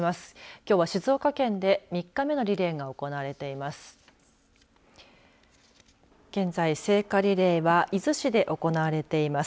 きょうは静岡県で３日目のリレーが行われています。